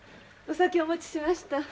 お酒お持ちしました。